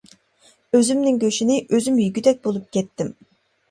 ئۆزۈمنىڭ گۆشىنى ئۆزۈم يېگۈدەك بولۇپ كەتتىم.